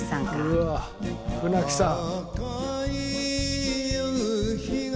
うわあ舟木さん。